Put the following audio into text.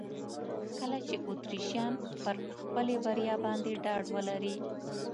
کله چې اتریشیان پر خپلې بریا باندې ډاډ ولري.